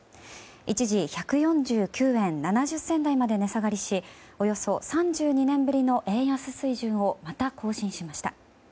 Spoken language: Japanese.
一時、１４９円７０銭台まで値下がりしおよそ３２年ぶりの円安水準をまた更新しました。